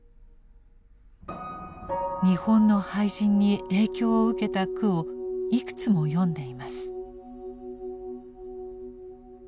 日本の俳人に影響を受けた句をいくつも詠んでいます。